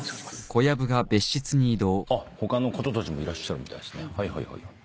あっ他の方たちもいらっしゃるみたいですね。